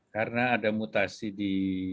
karena ada mutasi di